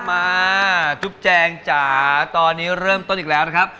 มาจุ๊บแจงจ๋าตอนนี้เริ่มต้นอีกแล้วนะครับ